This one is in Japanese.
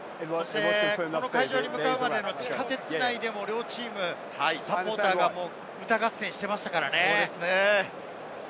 この会場に向かうまでの地下鉄内でも両チーム、サポーターが歌合戦をしていましたからね。